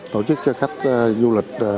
tổ chức cho khách du lịch